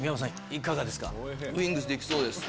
いかがですか？